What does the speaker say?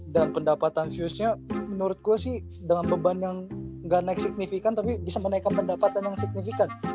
dan pendapatan fuse nya menurut gue sih dengan beban yang gak naik signifikan tapi bisa menaikkan pendapatan yang signifikan